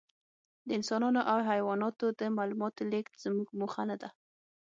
د انسانانو او حیواناتو د معلوماتو لېږد زموږ موخه نهده.